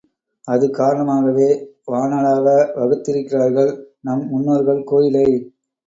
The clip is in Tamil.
அது காரணமாகவே வானளாவ வகுத்திருக்கிறார்கள் நம் முன்னோர்கள் கோயிலை.